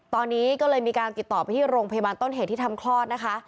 ตอนนี้ก็เลยมีการติดต่อไปที่โรงพยาบาลต้นเหตุที่ทำคลอดนะคะ